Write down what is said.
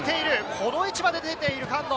この位置まで出ている菅野。